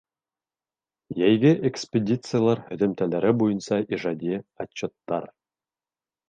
Йәйге экспедициялар һөҙөмтәләре буйынса ижади отчеттар.